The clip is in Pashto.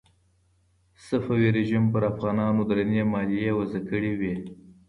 صفوي رژیم پر افغانانو درنې مالیې وضع کړې وې.